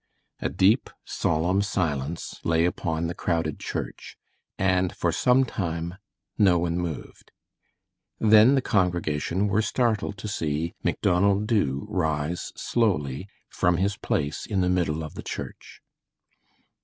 A deep, solemn silence lay upon the crowded church, and for some time no one moved. Then the congregation were startled to see Macdonald Dubh rise slowly from his place in the middle of the church.